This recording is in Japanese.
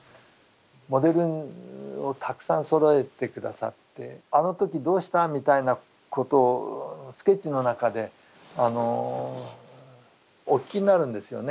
モデルをたくさんそろえて下さってあの時どうしたみたいなことをスケッチの中でお聞きになるんですよね。